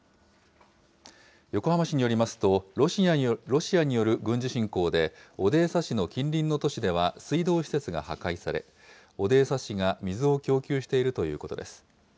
横浜市によりますと、ロシアによる軍事侵攻で、オデーサ市の近隣の都市では水道施設が破壊され、オデーサ市が水を供給しているということです。